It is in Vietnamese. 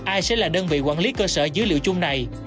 ai sẽ là đơn vị quản lý cơ sở dữ liệu chung này